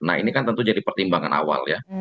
nah ini kan tentu jadi pertimbangan awal ya